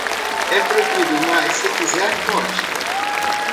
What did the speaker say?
É proibido, mas se quiser, pode.